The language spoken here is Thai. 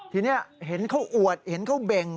ทีนี้เห็นเขาอวดเห็นเขาเบ่ง